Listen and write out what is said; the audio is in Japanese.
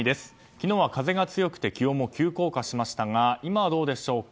昨日は風が強くて気温も急降下しましたが今はどうでしょうか。